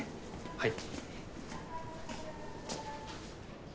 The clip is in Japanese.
はい。